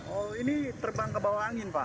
oh ini terbang ke bawah angin pak